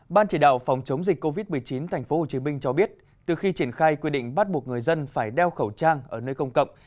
ban chỉ đạo phòng chống dịch covid một mươi chín tp hcm cho biết từ khi triển khai quy định bắt buộc người dân phải đeo khẩu trang ở nơi công cộng